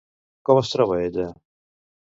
Com es troba ella?